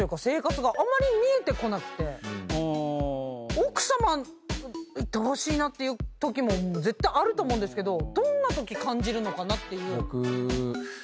奥さまいとおしいなっていうときも絶対あると思うんですけどどんなとき感じるのかなって。